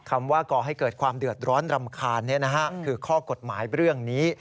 คำว่าก่อให้เกิดความเดือดร้อนรำคาญคือข้อกฎหมายเรื่องนี้